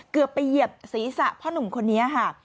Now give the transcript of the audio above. เกือบไปเหยียบศีรษะพ่อหนุ่มคนนี้ค่ะ